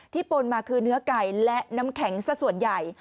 ปนมาคือเนื้อไก่และน้ำแข็งสักส่วนใหญ่